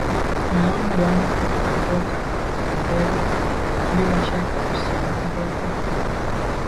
naam bwana amboka andere bila shaka usiondoke nawe